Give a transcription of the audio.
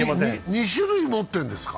２種類持っているんですか？